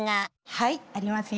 はいありますよ。